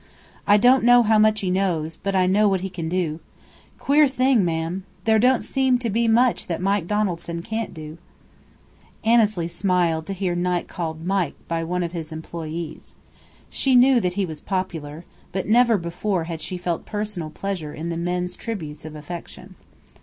"I don't know how much he knows, but I know what he can do. Queer thing, ma'am! There don't seem to be much that Mike Donaldson can't do!" Annesley smiled to hear Knight called "Mike" by one of his employees. She knew that he was popular, but never before had she felt personal pleasure in the men's tributes of affection.